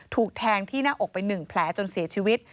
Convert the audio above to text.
ถูกแทงที่หน้าอกไป๑แผลจนเสียชีวิต